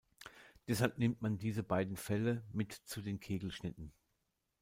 Deshalb nimmt man diese beiden Fälle mit zu den Kegelschnitten.